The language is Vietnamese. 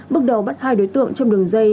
bước đầu bắt hai đối tượng trong đường dây